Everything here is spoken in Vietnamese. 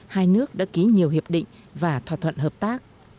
hai nước đã ký nhiều hiệp định và thỏa thuận hợp tác